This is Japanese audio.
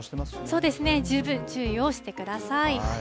そうですね、十分注意をしてください。